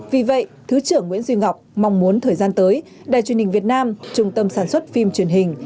vì vậy thứ trưởng nguyễn duy ngọc mong muốn thời gian tới đài truyền hình việt nam trung tâm sản xuất phim truyền hình